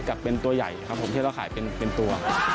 กับเป็นตัวใหญ่ครับผมที่เราขายเป็นตัว